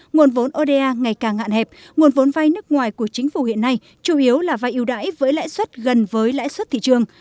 nguồn vốn oda ngày càng hạn hẹp nguồn vốn vai nước ngoài của chính phủ hiện nay chủ yếu là vai ưu đãi với lãi suất gần với lãi suất thị trường